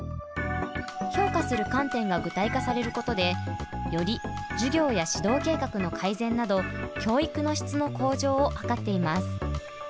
評価する観点が具体化されることでより授業や指導計画の改善など教育の質の向上を図っています。